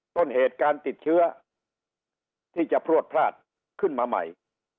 ต้นเหตุการติดเชื้อที่จะพลวดพลาดขึ้นมาใหม่